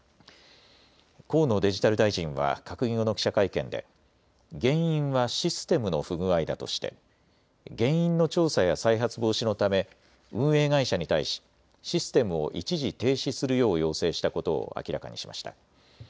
河野デジタル大臣は閣議後の記者会見で原因はシステムの不具合だとして原因の調査や再発防止のため運営会社に対しシステムを一時停止するよう要請したことを明らかにしました。